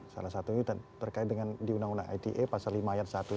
salah satu itu terkait dengan di undang undang ite pasal lima ayat satu itu